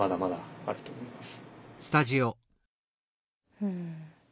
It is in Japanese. うん。